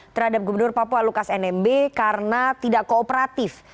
terhadap gubernur papua lukas nmb karena tidak kooperatif